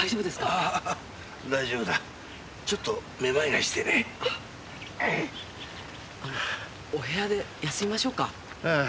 ああ大丈夫だちょっとめまいがしてねお部屋で休みましょうかあ